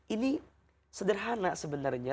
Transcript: ini sederhana sebenarnya